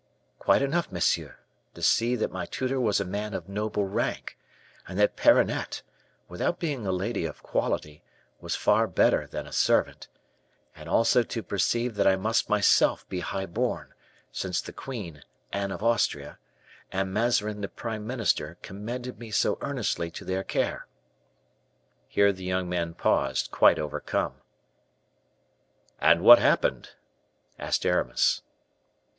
"Quite enough, monsieur, to see that my tutor was a man of noble rank, and that Perronnette, without being a lady of quality, was far better than a servant; and also to perceived that I must myself be high born, since the queen, Anne of Austria, and Mazarin, the prime minister, commended me so earnestly to their care." Here the young man paused, quite overcome. "And what happened?" asked Aramis.